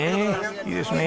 いいですね。